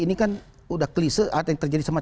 ini kan udah kelise artinya terjadi sama